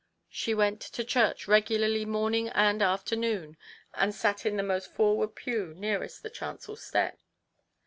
She went to church regularly morning and afternoon, and sat in the most forward pew, nearest the chancel step.